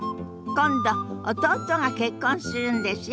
今度弟が結婚するんですよ。